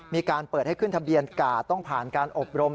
มีการเปิดให้ขึ้นทะเบียนกาดต้องผ่านการอบรม